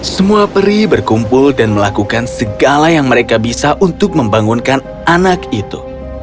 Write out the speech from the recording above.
semua peri berkumpul dan melakukan segala yang mereka bisa untuk membangunkan anak itu